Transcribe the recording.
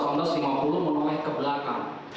menoleh ke belakang